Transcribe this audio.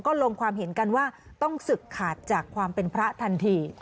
ลงความเห็นกันว่าต้องศึกขาดจากความเป็นพระทันที